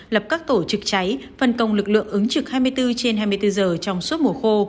lập các tổ trực cháy phân công lực lượng ứng trực hai mươi bốn trên hai mươi bốn giờ trong suốt mùa khô